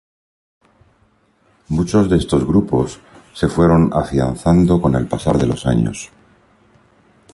Muchos de estos grupos se fueron afianzando con el pasar de los años.